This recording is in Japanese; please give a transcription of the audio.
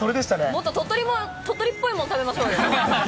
もっと鳥取っぽいもの食べましょうよ。